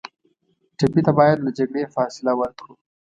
ټپي ته باید له جګړې فاصله ورکړو.